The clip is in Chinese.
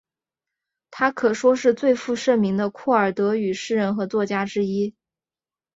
她可说是最负盛名的库尔德语诗人和作家之一。